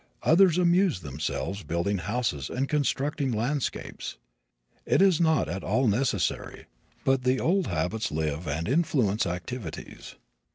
Others amuse themselves building houses and constructing landscapes. It is not at all necessary, but the old habits live and influence activities.